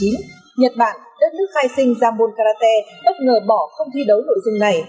nhật bản đất nước khai sinh jambon karate bất ngờ bỏ không thi đấu nội dung này